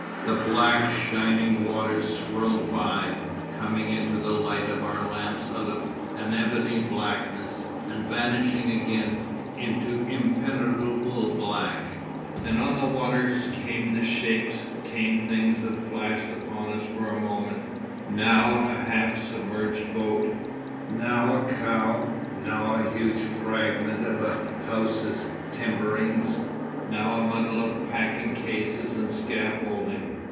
The black, shining waters swirled by, coming into the light of our lamps out of an ebony blackness and vanishing again into impenetrable black. And on the waters came shapes, came things that flashed upon us for a moment, now a half submerged boat, now a cow, now a huge fragment of a house's timberings, now a muddle of packing cases and scaffolding.